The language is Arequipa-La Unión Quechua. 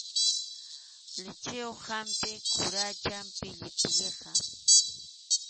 Lichiyuq hampi quracham pillipilliqa.